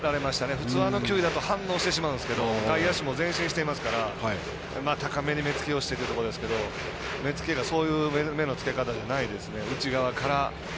普通はあの球威だと反応してしまうんですけど外野手も前進していますから高めに目付けをしているところですが目付けが、そういう目のつけ方じゃないですね。